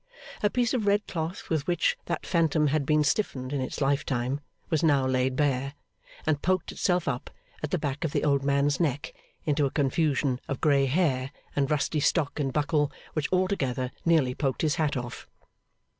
A piece of red cloth with which that phantom had been stiffened in its lifetime was now laid bare, and poked itself up, at the back of the old man's neck, into a confusion of grey hair and rusty stock and buckle which altogether nearly poked his hat off.